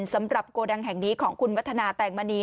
สำหรับโกดังแห่งนี้ของคุณวัฒนาแตงมณี